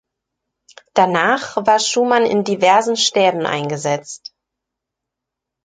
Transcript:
Danach war Schumann in diversen Stäben eingesetzt.